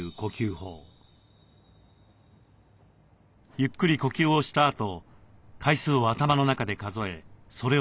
ゆっくり呼吸をしたあと回数を頭の中で数えそれを繰り返す。